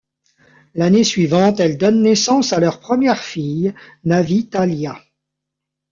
L'année suivante elle donne naissance à leur première fille, Navy Talia.